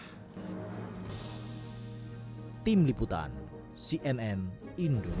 saya ingin mengatakan